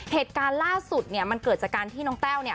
เหตุการณ์ล่าสุดเนี่ยมันเกิดจากการที่น้องแต้วเนี่ย